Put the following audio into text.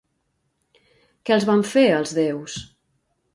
Què els van fer els déus?